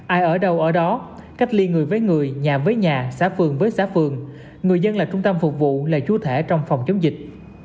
ai ở đâu ở đó cách liên người với người nhà với nhà xá phường với xá phường người dân là trung tâm phục vụ là chúa thể trong phòng chống dịch